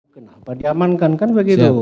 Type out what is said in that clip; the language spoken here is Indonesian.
kenapa diamankan kan begitu